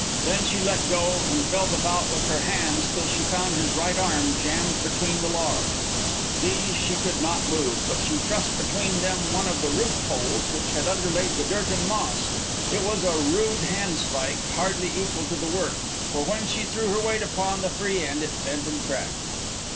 Then she let go and felt about with her hands till she found his right arm jammed between the logs. These she could not move, but she thrust between them one of the roof poles which had underlaid the dirt and moss. It was a rude handspike and hardly equal to the work, for when she threw her weight upon the free end it bent and crackled.